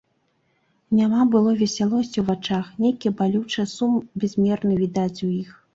Няма былой весялосці ў вачах, нейкі балючы сум бязмерны відаць у іх.